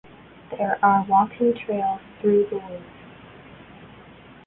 There are walking trails through the woods.